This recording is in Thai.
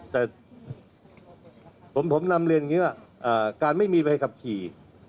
แต่ผมนำเรียนอย่างนี้ว่าการไม่มีใบขับขี่